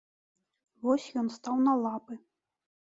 Вось ён стаў на лапы.